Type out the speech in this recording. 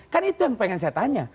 kan itu yang pengen saya tanya